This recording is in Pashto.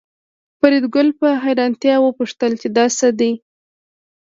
فریدګل په حیرانتیا وپوښتل چې دا څه دي